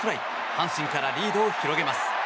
阪神からリードを広げます。